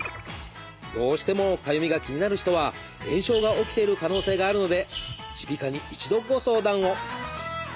どうしてもかゆみが気になる人は炎症が起きている可能性があるので耳鼻科に一度ご相談を！